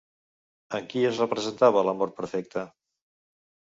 En qui es representava l'amor perfecte?